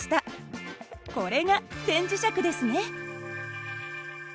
これが電磁石ですね。